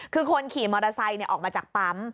คือคนขี่มอเตอร์ไซค์ออกมาจากปั๊ม